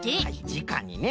じかにね。